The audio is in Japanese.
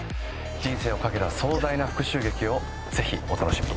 人生を懸けた壮大な復讐劇をぜひお楽しみに。